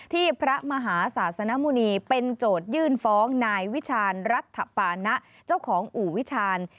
พระมหาศาสนมุณีเป็นโจทยื่นฟ้องนายวิชาณรัฐปานะเจ้าของอู่วิชาญ